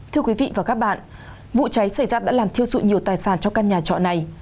thưa quý vị và các bạn vụ cháy xảy ra đã làm thiêu dụi nhiều tài sản trong căn nhà trọ này